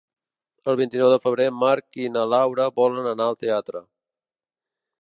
El vint-i-nou de febrer en Marc i na Laura volen anar al teatre.